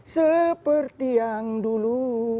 seperti yang dulu